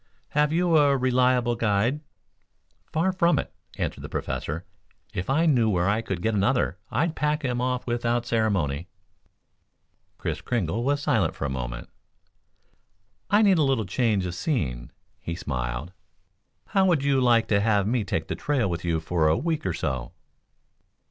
"Have you a reliable guide?" "Far from it," answered the Professor. "If I knew where I could get another, I'd pack him off without ceremony." Kris Kringle was silent for a moment. "I need a little change of scene," he smiled. "How would you like to have me take the trail with you for a week or so?"